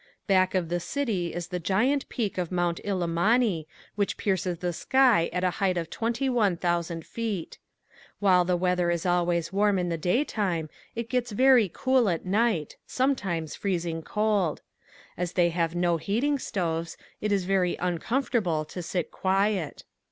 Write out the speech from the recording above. Back of the city is the giant peak of Mount Illimani which pierces the sky at the height of twenty one thousand feet. While the weather is always warm in the day time it gets very cool at night, sometimes freezing cold. As they have no heating stoves it is very uncomfortable to sit quiet.